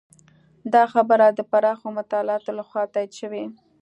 دا خبره د پراخو مطالعاتو لخوا تایید شوې.